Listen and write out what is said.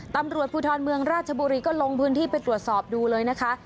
ตำรวจภูทรเมืองราชบุรีก็ลงพื้นที่ไปตรวจสอบดูเลยนะคะ